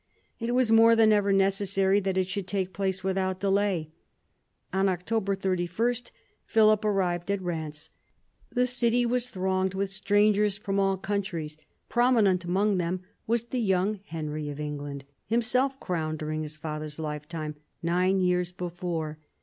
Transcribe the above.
It was more than ever necessary that it should take place without delay. On October 31 Philip arrived at Rheims. The city was thronged with strangers from all countries. Prominent among them was the young Henry of England, himself crowned during his father's lifetime, nine years before.